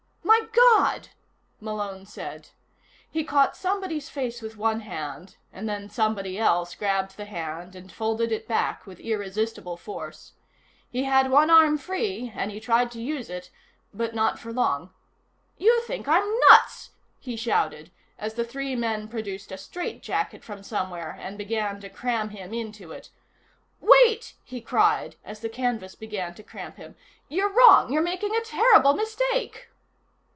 "My God!" Malone said. He caught somebody's face with one hand and then somebody else grabbed the hand and folded it back with irresistible force. He had one arm free, and he tried to use it but not for long. "You think I'm nuts!" he shouted, as the three men produced a strait jacket from somewhere and began to cram him into it. "Wait!" he cried, as the canvas began to cramp him. "You're wrong! You're making a terrible mistake!"